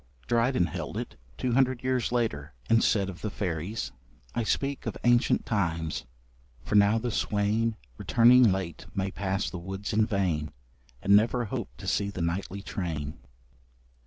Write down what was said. Dryden held it, two hundred years later, and said of the fairies: I speak of ancient times, for now the swain Returning late may pass the woods in vain, And never hope to see the nightly train.